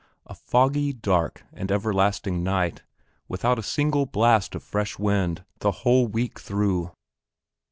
A foggy, dark, and everlasting night, without a single blast of fresh wind the whole week through.